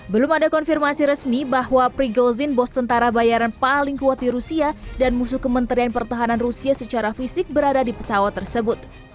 belum ada konfirmasi resmi bahwa prigozin bos tentara bayaran paling kuat di rusia dan musuh kementerian pertahanan rusia secara fisik berada di pesawat tersebut